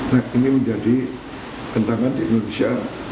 nah ini menjadi kentangan di indonesia